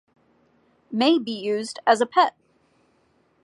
May be used as a pet.